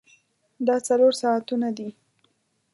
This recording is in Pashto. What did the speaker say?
دا څلور ساعتونه دي.